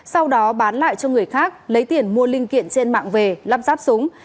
sau đó bán lại cho người khác lấy tiền mua linh kiện trên mạng về lắp ráp súng